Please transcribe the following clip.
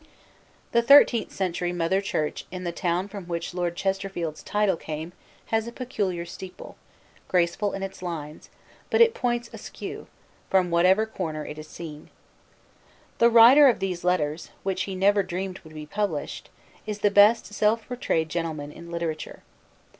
The thirteenth century mother church in the town from which Lord Chesterfield's title came has a peculiar steeple, graceful in its lines, but it points askew, from whatever quarter it is seen. The writer of these Letters, which he never dreamed would be published, is the best self portrayed Gentleman in literature.